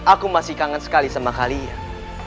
aku masih kangen sekali sama kalian